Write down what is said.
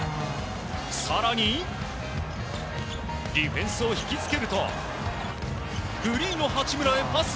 更にディフェンスを引き付けるとフリーの八村へパス。